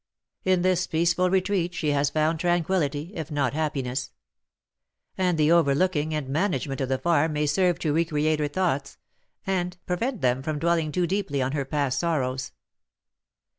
In this peaceful retreat she has found tranquillity, if not happiness; and the overlooking and management of the farm may serve to recreate her thoughts, and prevent them from dwelling too deeply on her past sorrows.